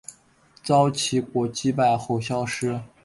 遭齐国击败后消失。